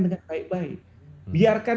dengan baik baik biarkan